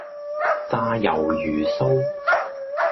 炸魷魚鬚